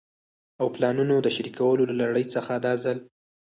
او پلانونو د شريکولو له لړۍ څخه دا ځل